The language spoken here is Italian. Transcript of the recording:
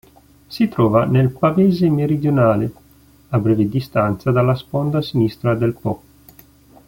Si trova nel Pavese meridionale, a breve distanza dalla sponda sinistra del Po.